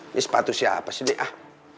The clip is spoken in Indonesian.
ini sepatu siapa sih ah